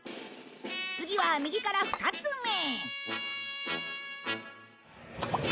次は右から２つ目。